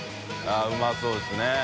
◆舛うまそうですね。